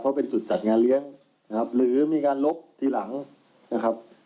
เพราะเป็นจุดจัดงานเลี้ยงนะครับหรือมีการลบทีหลังนะครับ